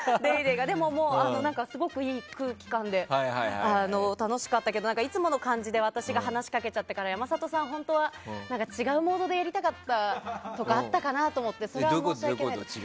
すごくいい空気感で楽しかったけどいつもの感じで私が話しかけちゃったから山里さん、本当は違うモードでやりたかったとかあったのかなと思ってどういうこと？